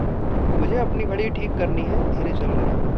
मुझे अपनी घड़ी ठीक करनी है। धीरे चल रही है।